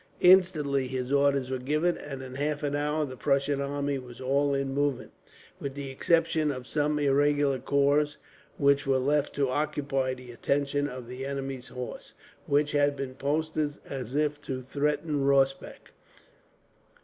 Instantly his orders were given, and in half an hour the Prussian army was all in movement, with the exception of some irregular corps which were left to occupy the attention of the enemy's horse, which had been posted as if to threaten Rossbach.